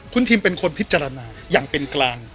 คุณทิมเป็นคนพิจารณาอย่างเป็นกลาง